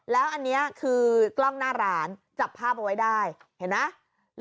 แล้วอันเนี้ยคือกล้องหน้าหลานจับผ้าประวัติได้เห็นไหม